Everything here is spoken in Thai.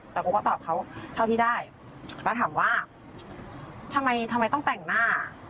แต่โบก็ตอบเขาเท่าที่ได้แล้วถามว่าทำไมทำไมต้องแต่งหน้า